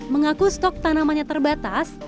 mengaku stok tanamannya terbatas